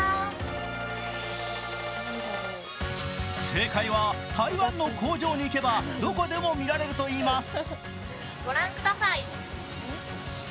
正解は、台湾の工場に行けばどこでも見られるといいます。